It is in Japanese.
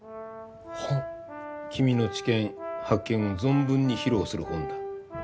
君の知見発見を存分に披露する本だ。